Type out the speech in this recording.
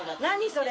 それ。